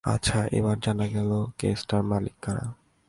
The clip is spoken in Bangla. আচ্ছা, এবার জানা গেল কেসটার মালিক কারা।